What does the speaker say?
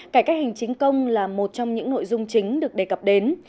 cải cách hành chính công là một trong những nội dung chính được đề cập đến